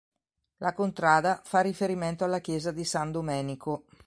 La contrada fa riferimento alla chiesa di San Domenico.